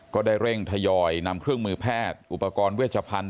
ก็ได้เร่งทยอยนำเครื่องมือแพทย์อุปกรณ์เวชพันธ